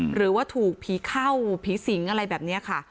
หรือว่าถูกผีเข้าผีสิงอะไรแบบนี้ค่ะ